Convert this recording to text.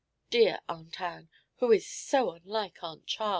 Dear Aunt Ann, who is so unlike Aunt Charl!'